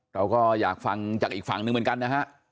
เราก็อยากฟังจากอีกฝั่งหนึ่งเหมือนกันนะฮะ